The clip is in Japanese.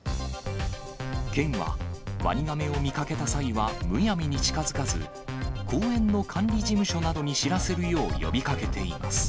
県は、ワニガメを見かけた際はむやみに近づかず、公園の管理事務所などに知らせるよう呼びかけています。